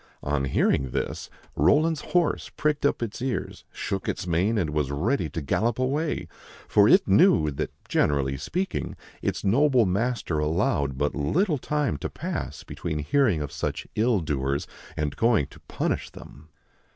On hearing this, Roland's horse pricked up its ears, shook its mane, and was ready to gallop away ; for it knew that, generally speaking, its noble master allowed but little time to pass between hearing of such ill doers and going to punish them.